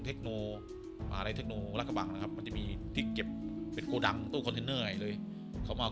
เทคโนลักษณ์มันจะมีที่เก็บโกดังตู้คอนเทนเนอร์ไอ้เลยเขามา